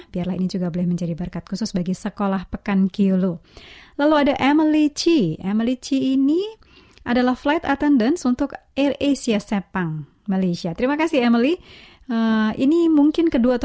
saat kau merasa putus asa kau bimbang tak menentu